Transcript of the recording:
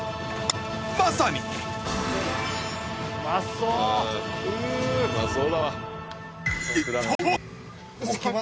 まさにうまそう！